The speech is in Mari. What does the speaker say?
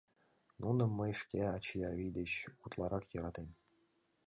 Нуным мый шке ачий-авий деч утларак йӧратем.